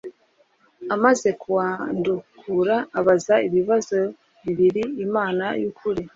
amaze kuwandukura abaza ibibazo bibiri Imana y ukuri